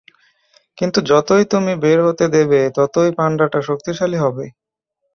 কিন্তু যতই তুমি বের হতে দেবে, ততই পান্ডাটা শক্তিশালী হবে।